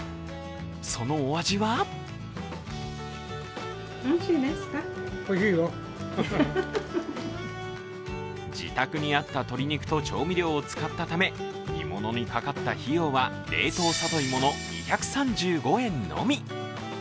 そのお味は自宅にあった鶏肉と調味料を使ったため煮物にかかった費用は冷凍里芋の２３５円のみ。